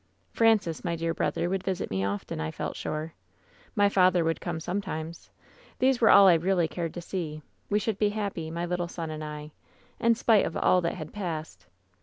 "Francis, my dear brother, would visit me often, I felt sure. My father would come sometimes. These were all I really cared to see. "We should be happy — ^my litte son and I — ^in spite of all that had passed.